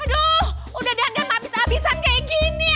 aduh udah dandan abis abisan kayak gini aduh